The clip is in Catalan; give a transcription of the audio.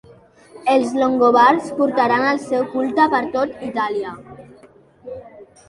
Els longobards portaren el seu culte per tot Itàlia.